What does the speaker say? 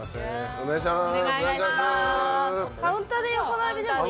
お願いします！